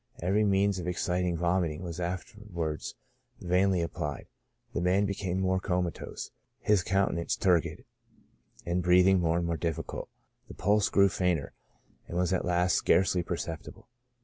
Every means of exciting vomiting was after wards vainly applied \ the man became more comatose, his countenance turgid, and breathing more and more difficult ; the pulse grew fainter, and was at last scarcely perceptible.